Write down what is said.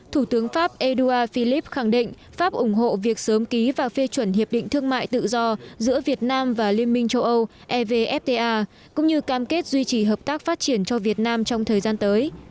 thủ tướng pháp edouard philip khẳng định pháp ủng hộ việc sớm ký và phê chuẩn hiệp định thương mại tự do giữa việt nam và liên minh châu âu evfta cũng như cam kết duy trì hợp tác phát triển cho việt nam trong thời gian tới